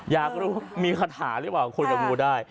อยากรู้มีคัทหาหรือเปล่าคุณกับงูได้